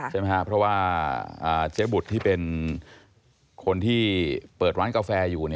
ใช่ไหมครับเพราะว่าเจ๊บุตรที่เป็นคนที่เปิดร้านกาแฟอยู่